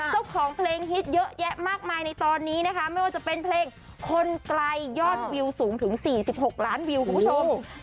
เจ้าของเพลงฮิตเยอะแยะมากมายในตอนนี้นะคะไม่ว่าจะเป็นเพลงคนไกลยอดวิวสูงถึง๔๖ล้านวิวคุณผู้ชม